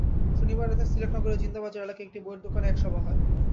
শনিবার রাতে সিলেট নগরের জিন্দাবাজার এলাকার একটি বইয়ের দোকানে এক সভা হয়।